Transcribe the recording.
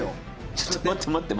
「ちょっと待って。